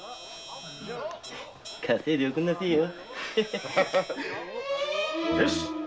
稼いでおくんなせいよ。